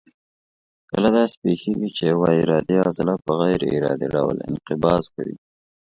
کله داسې پېښېږي چې یوه ارادي عضله په غیر ارادي ډول انقباض کوي.